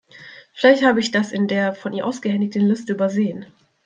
Vielleicht habe ich das in der von ihr ausgehändigten Liste übersehen.